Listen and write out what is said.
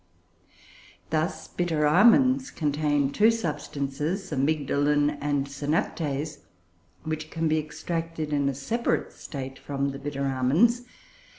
Thus, bitter almonds contain two substances, amygdalin and synaptase, which can be extracted, in a separate state, from the bitter almonds.